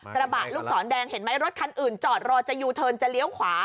กระบะลูกศรแดงเห็นไหมรถคันอื่นจอดรอจะยูเทิร์นจะเลี้ยวขวา